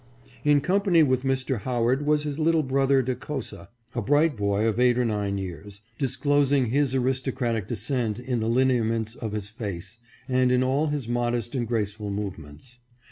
In company with Mr. Howard was his little brother Decosa, a bright boy of eight or nine years, disclosing his aristocratic de scent in the lineaments of his face, and in all his modest and graceful movements.